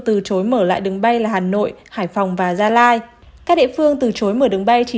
từ chối mở lại đường bay là hà nội hải phòng và gia lai các địa phương từ chối mở đường bay chỉ